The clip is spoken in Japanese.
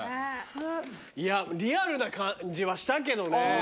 いやリアルな感じはしたけどね。